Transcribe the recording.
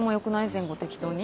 前後適当に。